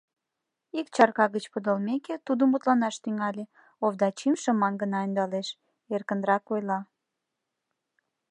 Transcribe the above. Ик чарка гыч подылмеке, тудо мутланаш тӱҥале, Овдачим шыман гына ӧндалеш, эркынрак ойла.